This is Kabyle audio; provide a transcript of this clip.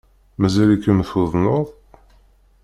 Mazal-ikem tuḍneḍ?